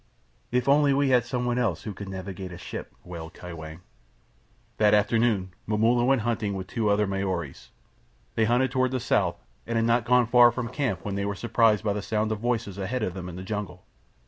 "If we only had someone else who could navigate a ship!" wailed Kai Shang. That afternoon Momulla went hunting with two other Maoris. They hunted toward the south, and had not gone far from camp when they were surprised by the sound of voices ahead of them in the jungle.